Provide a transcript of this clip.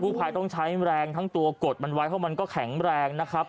ภายต้องใช้แรงทั้งตัวกดมันไว้เพราะมันก็แข็งแรงนะครับ